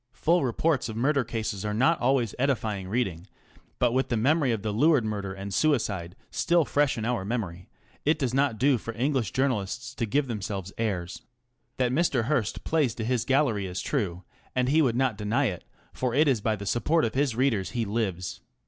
Full reports of murder cases are not always edifying reading, but with the memory of the Luard murder and suicide still fresh in our memory it does not do for English journalists to give themselves airs. That Mr. Hearst plays to his gallery is true, and he would not deny it, for it is by the support of his readers he lives.